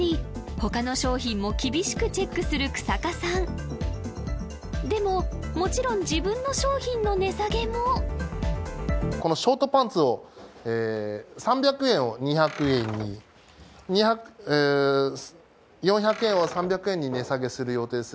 他の商品も厳しくチェックする日下さんでももちろん自分の商品の値下げもこのショートパンツを３００円を２００円に４００円を３００円に値下げする予定です